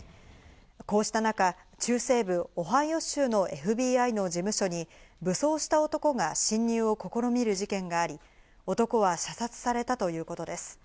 こうした中、中西部オハイオ州のＦＢＩの事務所に武装した男が侵入を試みる事件があり、男は射殺されたということです。